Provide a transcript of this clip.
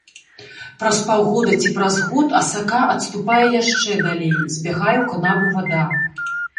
Праз паўгода ці праз год асака адступае яшчэ далей, збягае ў канавы вада.